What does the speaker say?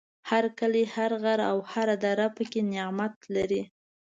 هر کلی، هر غر او هر دره پکې نعمت لري.